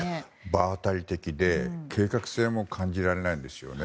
場当たり的で、計画性も感じられないんですよね。